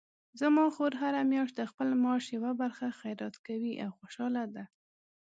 زما خور هره میاشت د خپل معاش یوه برخه خیرات کوي او خوشحاله ده